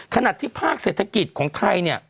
ขนาดที่ภาคเศรษฐกิจของไทย